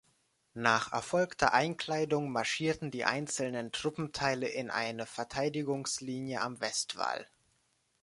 Nach erfolgter Einkleidung marschierten die einzelnen Truppenteile in eine Verteidigungslinie am Westwall.